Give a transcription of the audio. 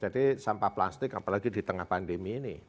sampah plastik apalagi di tengah pandemi ini